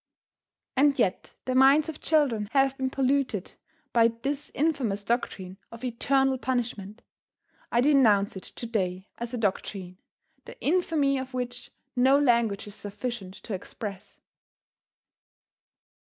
And yet the minds of children have been polluted by this infamous doctrine of eternal punishment. I denounce it to day as a doctrine, the infamy of which no language is sufficient to express.